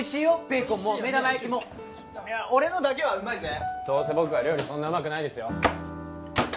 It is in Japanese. ベーコンも目玉焼きもいや俺のだけはうまいぜどうせ僕は料理そんなうまくないですよ